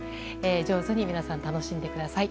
上手に皆さん楽しんでください。